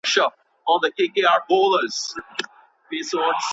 څنګه د ژوند تجربې موږ ته د ښه ژوند کولو لارښوونه کوي؟